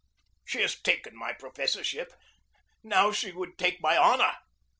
She has taken my professorship. Now she would take my honor.